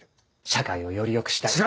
社会をよりよくしたい。